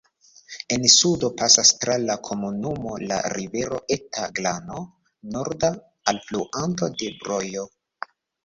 En sudo pasas tra la komunumo la rivero Eta Glano, norda alfluanto de Brojo.